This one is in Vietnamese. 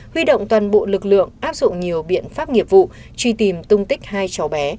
huy động toàn bộ lực lượng áp dụng nhiều biện pháp nghiệp vụ truy tìm tung tích hai cháu bé